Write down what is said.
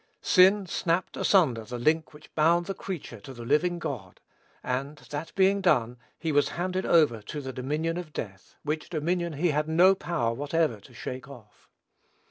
Sin snapped asunder the link which bound the creature to the living God; and, that being done, he was handed over to the dominion of death, which dominion he had no power whatever to shake off.